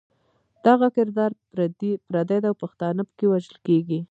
دغه کردار پردی دی او پښتانه پکې وژل کېږي.